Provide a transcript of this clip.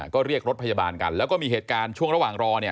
ก็เรียกรถพยาบาลกันแล้วก็มีเหตุการณ์ช่วงระหว่างรอเนี่ย